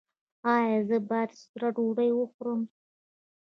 ایا زه باید سړه ډوډۍ وخورم؟